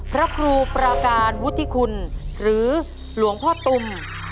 พระครูประการวุฒิคุณหรือหลวงพ่อตุม